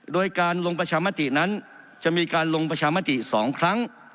โดยการลงประชามตินั้นจะมีการลงประชามติ๒ครั้ง